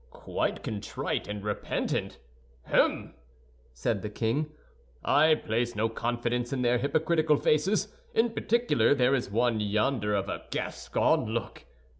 "Quite contrite and repentant! Hem!" said the king. "I place no confidence in their hypocritical faces. In particular, there is one yonder of a Gascon look.